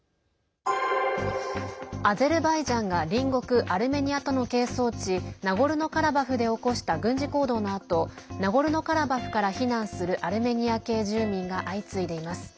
アゼルバイジャンが隣国アルメニアとの係争地ナゴルノカラバフで起こした軍事行動のあとナゴルノカラバフから避難するアルメニア系住民が相次いでいます。